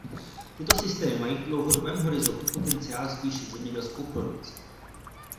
Tyto systémy mají v dlouhodobém horizontu potenciál zvýšit zemědělskou produkci.